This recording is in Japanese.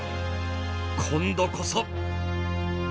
今度こそ！